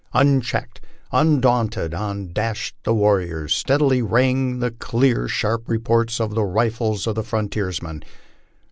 Unchecked, undaunted, on dashed the warriors ; steadily rang the clear, sharp reports of the rifles of the frontiersmen.